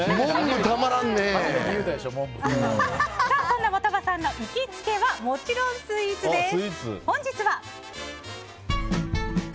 そんな的場さんの行きつけはもちろんスイーツです。